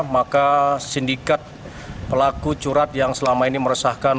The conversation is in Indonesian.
maka sindikat pelaku curhat yang selama ini meresahkan